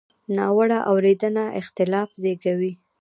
ناوړه اورېدنه اختلاف زېږوي.